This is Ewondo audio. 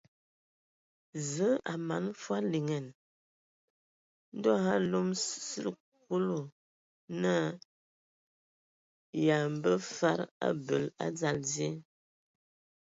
Zǝə a mana hm liŋan. Ndo a alom sili Kulu naa yǝ a mbǝ fad abel a dzal die.